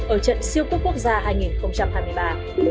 ở trận siêu cúp quốc gia hai nghìn hai mươi ba